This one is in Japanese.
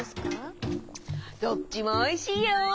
どっちもおいしいよ！